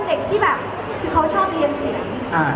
ป๊าป๊าป๊าป๊าป๊าป๊า